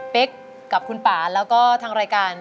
กับคุณป่าแล้วก็ทางรายการ